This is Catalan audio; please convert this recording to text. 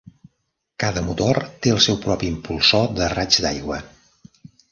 Cada motor té el seu propi impulsor de raig d'aigua.